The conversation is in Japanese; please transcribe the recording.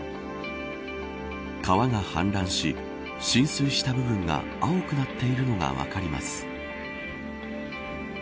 川が、氾濫し浸水した部分が青くなっているのが分かります。